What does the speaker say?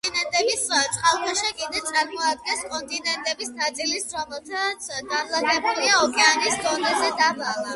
კონტინენტის წყალქვეშა კიდე წარმოადგენს კონტინენტის ნაწილს, რომელიც განლაგებულია ოკეანის დონეზე დაბლა.